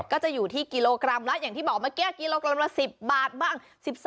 ก็จะอยู่ที่กิโลกรัมละอย่างที่บอกเมื่อกี้กิโลกรัมละ๑๐บาทบ้าง